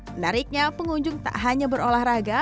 menariknya pengunjung tak hanya berolahraga